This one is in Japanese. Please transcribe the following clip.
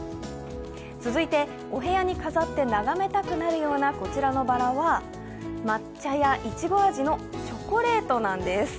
続いてお部屋に飾って眺めたくなるようなこちらのバラや抹茶やいちご味のチョコレートなんです。